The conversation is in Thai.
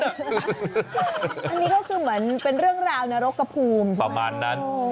อันนี้ก็คือเหมือนเป็นเรื่องราวนรกกระภูมิใช่ไหมครับโอ้โฮประมาณนั้น